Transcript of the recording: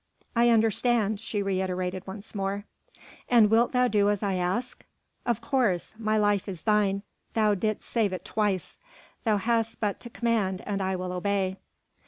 "I understand!" she reiterated once more. "And wilt thou do as I ask?" "Of course. My life is thine; thou didst save it twice. Thou hast but to command and I will obey."